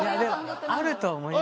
あると思います。